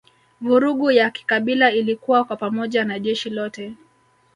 Vurugu ya kikabila ilikua kwa pamoja na jeshi lote